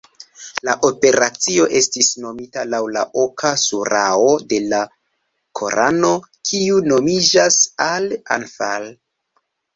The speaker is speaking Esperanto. La operacio estis nomita laŭ la oka surao de la korano, kiu nomiĝas "Al-Anfal".